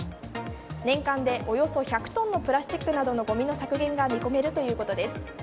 年間で、およそ１００トンのプラスチックなどのごみの削減が見込めるということです。